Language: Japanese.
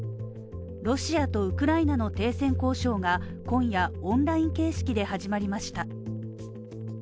ロシアとウクライナの停戦交渉が今夜、オンライン形式で始まりました。